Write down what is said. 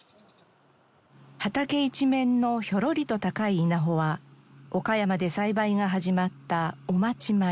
畑一面のひょろりと高い稲穂は岡山で栽培が始まった雄町米。